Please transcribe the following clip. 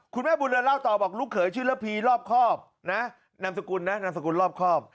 คุณแม่บุญเรือนเล่าต่อบอกลูกเขยชื่อระพีรอบครอบนะนามสกุลนะนามสกุลรอบครอบ